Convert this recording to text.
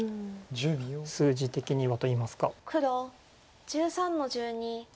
数字的にはといいますか。